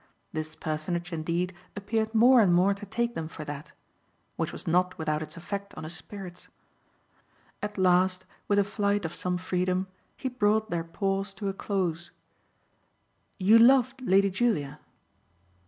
This personage indeed appeared more and more to take them for that which was not without its effect on his spirits. At last, with a flight of some freedom, he brought their pause to a close. "You loved Lady Julia."